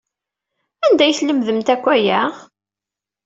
Anda ay tlemdemt akk aya?